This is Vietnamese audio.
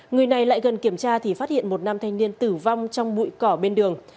người này lại gần kiểm tra thì phát hiện một nam thanh niên tử vong trong bụi cỏ bên đường